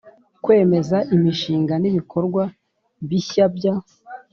Kwemeza imishinga n ibikorwa bishya bya